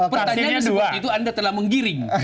pertanyaannya seperti itu anda telah menggiring